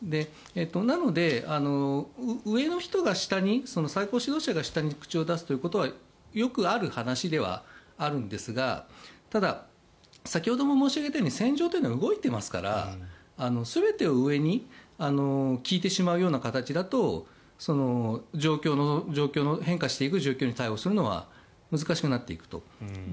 なので、上の人が下に最高指導者が下に口を出すということはよくある話ではあるんですがただ、先ほども申し上げたように戦場というのは動いていますから全てを上に聞いてしまうような形だと変化していく状況に対応するのは難しくなっていくと。